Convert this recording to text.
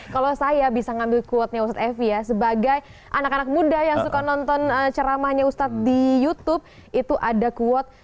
kalau saya bisa ngambil quote nya ustadz evi ya sebagai anak anak muda yang suka nonton ceramahnya ustadz di youtube itu ada quote